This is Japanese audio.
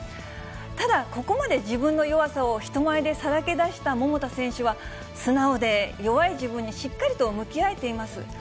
ただ、ここまで自分の弱さを人前でさらけ出した桃田選手は、素直で、弱い自分にしっかりと向き合えています。